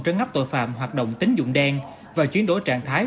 trấn ngắp tội phạm hoạt động tính dụng đen và chuyển đổi trạng thái